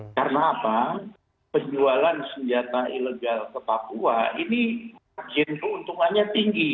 karena apa penjualan senjata ilegal ke papua ini margin keuntungannya tinggi